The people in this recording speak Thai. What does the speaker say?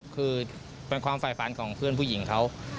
คือเป็นความฝ่ายฝันของเพื่อนผู้หญิงเขา